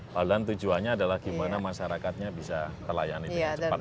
padahal tujuannya adalah gimana masyarakatnya bisa terlayani dengan cepat